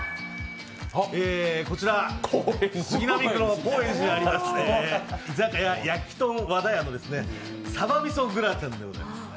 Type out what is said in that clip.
こちら、杉並区の高円寺にあります居酒屋やきとん和田屋のさばみそグラタンでございます。